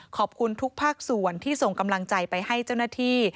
ขอบคุณทุกภาคส่วนที่ส่งกำลังใจไปให้เจ้าหน้าที่